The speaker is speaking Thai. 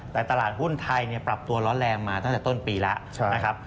แต่ตลาดหุ้นไทยปรับตัวร้อนแรงมาตั้งแต่ต้นปีแล้วนะครับ